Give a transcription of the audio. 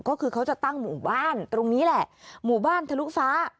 ก็คือเค้าจะตั้งหมู่บ้านทรุฟ้า